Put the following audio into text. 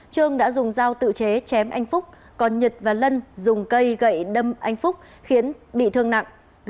trương đã dùng dao tự chế chém anh phúc còn nhật và lân dùng cây gậy đâm anh phúc khiến bị thương nặng